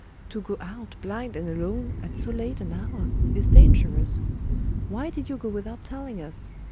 To go out, blind and alone, at so late an hour, is dangerous. Why did you go without telling us?